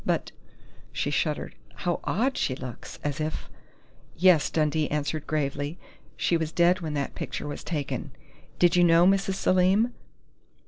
But " she shuddered, "how odd she looks as if " "Yes," Dundee agreed gravely. "She was dead when that picture was taken. Did you know Mrs. Selim?"